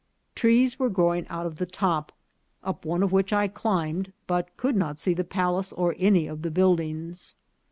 Trees were grow ing out of the top, up one of which I climbed, but could not see the palace or any one of the buildings.